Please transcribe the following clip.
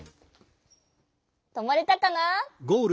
とまれたかな？